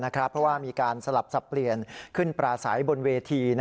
เพราะว่ามีการสลับสับเปลี่ยนขึ้นปลาใสบนเวที